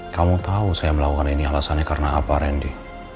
kamu tahu saya melakukan ini alasannya karena apa randy